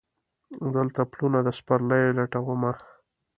دلته پلونه د سپرلیو لټومه